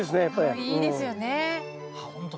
香りいいですよね。